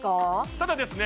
ただですね